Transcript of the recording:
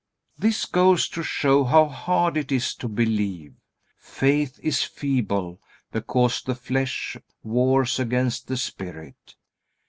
This goes to show how hard it is to believe. Faith is feeble, because the flesh wars against the spirit.